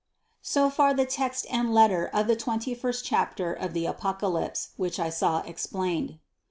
So far the text and letter of the twenty first chapter of the Apocalypse, which I saw explained.